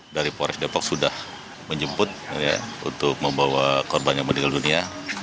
dari polres depok sudah menjemput untuk membawa korban yang meninggal dunia